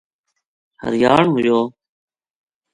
حریان ہویو